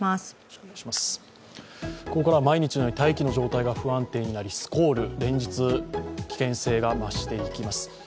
ここからは毎日のように大気の状態が不安定になりスコール、連日、危険性が増していきます。